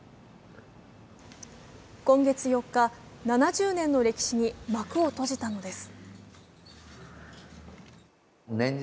今月４日、７０年の歴史に幕を閉じたのです。